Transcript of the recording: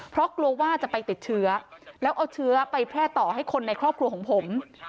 เพราะกลัวว่าจะไปติดเชื้อแล้วเอาเชื้อไปแพร่ต่อให้คนในครอบครัวของผม